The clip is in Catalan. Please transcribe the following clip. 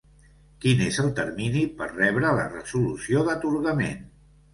Quin és el termini per rebre la resolució d'atorgament?